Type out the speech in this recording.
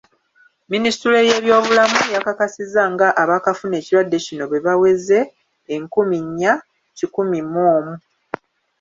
Minisitule y'ebyobulamu yakakasizza nga abakafuna ekirwadde kino bwebaweze enkumi nnya kikumi mu omu.